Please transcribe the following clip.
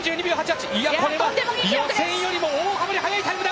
これは予選よりも大幅に速いタイムだ！